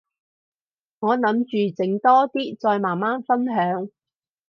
我諗住整多啲，再慢慢分享